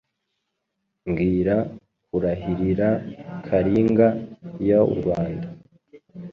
Mbwira kurahirira Kalinga y,urwanda